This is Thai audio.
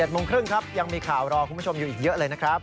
โมงครึ่งครับยังมีข่าวรอคุณผู้ชมอยู่อีกเยอะเลยนะครับ